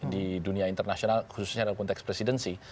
di dunia internasional khususnya dalam konteks presidensi